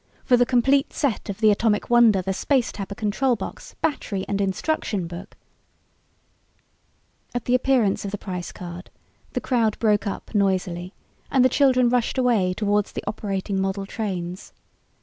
"For the complete set of the Atomic Wonder, the Space Tapper control box, battery and instruction book ..." At the appearance of the price card the crowd broke up noisily and the children rushed away towards the operating model trains.